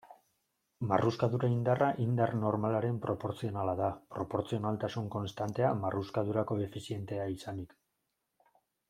Marruskadura-indarra indar normalaren proportzionala da, proportzionaltasun-konstantea marruskadura-koefizientea izanik.